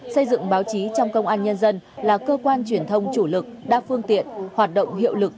xây dựng báo chí trong công an nhân dân là cơ quan truyền thông chủ lực đa phương tiện hoạt động hiệu lực